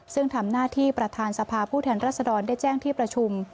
ซึ่งทำหน้าที่ประธานสภาผู้แทนรัศดรได้แจ้งที่ประชุม